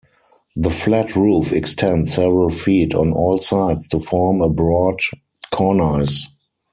The flat roof extends several feet on all sides to form a broad cornice.